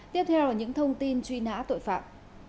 tiếp theo là những thông tin truy nã tội phạm